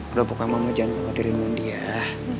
udah pokoknya mama jangan khawatirin mondi ya